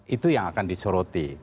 itu yang akan disoroti